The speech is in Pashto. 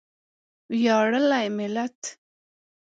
ویاړلی ملت.